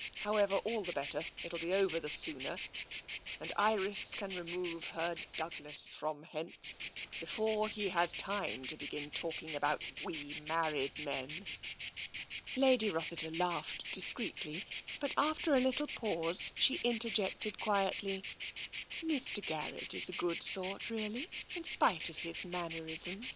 However, all the better. It'll be over the sooner, and Iris can remove her Douglas from hence before he has time to begin talking about ' we married men.' " Lady Rossiter laughed discreetly, but after a little pause she interjected quietly :" Mr. Garrett is a good sort, really, in spite of his mannerisms."